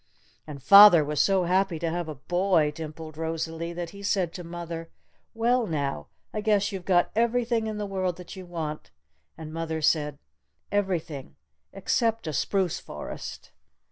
"And father was so happy to have a boy," dimpled Rosalee, "that he said to mother, 'Well, now, I guess you've got everything in the world that you want!' And mother said, 'Everything except a spruce forest!'